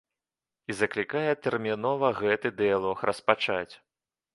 І заклікае тэрмінова гэты дыялог распачаць.